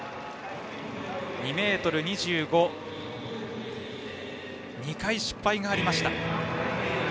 ２ｍ２５で２回失敗がありました。